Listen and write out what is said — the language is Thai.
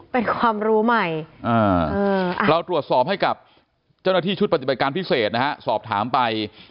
เป็นความรู้ใหม่เราตรวจสอบให้กับเจ้าหน้าที่ชุดปฏิบัติการพิเศษนะฮะสอบถามไป